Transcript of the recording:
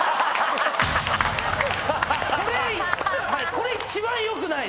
これ一番よくない。